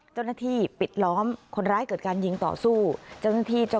เจ้านาทีปิดล้อมคนร้ายเกิดการยิงต่อสู้เจ้านาที